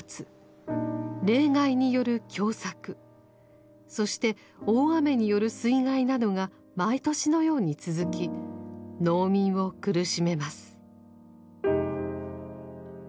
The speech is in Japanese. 冷害による凶作そして大雨による水害などが毎年のように続き農民を苦しめます。